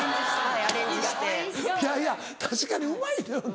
いやいや確かにうまいけどな。